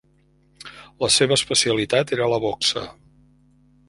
La seva especialitat era la boxa.